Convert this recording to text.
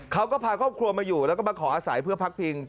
เขาก็พาครอบครัวมาอยู่แล้วก็มาขออาศัยเพื่อพักพิง